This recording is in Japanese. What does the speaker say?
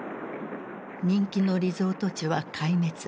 人気のリゾート地は壊滅。